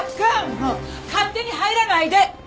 もう勝手に入らないで！